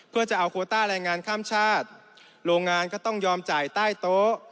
เพื่อจะเอาโคต้าแรงงานข้ามชาติโรงงานก็ต้องยอมจ่ายใต้โต๊ะ